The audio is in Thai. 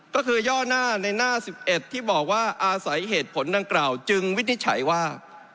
ก็คือย่อหน้าในหน้า๑๑ที่บอกว่าอาศัยเหตุผลดังกล่าวจึงวินิจฉัยว่า